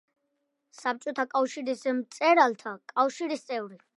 საბჭოთა კავშირის მწერალთა კავშირის წევრი.